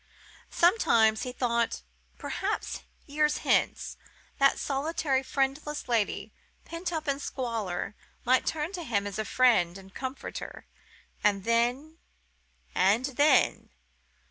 Sometimes he thought—perhaps years hence—that solitary, friendless lady, pent up in squalor, might turn to him as to a friend and comforter—and then—and then—.